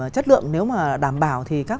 chất lượng nếu mà đảm bảo thì các